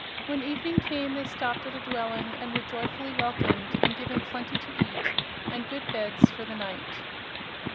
When evening came they stopped at a dwelling and were joyfully welcomed and given plenty to eat and good beds for the night.